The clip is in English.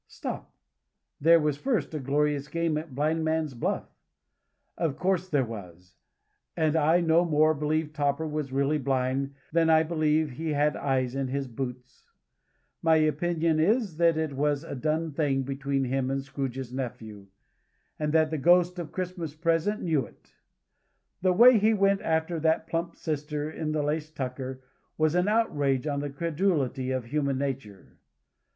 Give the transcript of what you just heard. Stop! There was first a glorious game at blindman's buff. Of course there was. And I no more believe Topper was really blind than I believe he had eyes in his boots. My opinion is, that it was a done thing between him and Scrooge's nephew; and that the Ghost of Christmas Present knew it. The way he went after that plump sister in the lace tucker, was an outrage on the credulity of human nature.